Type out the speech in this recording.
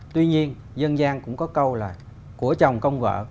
tuy nhiên dân gian cũng có câu là của chồng công vợ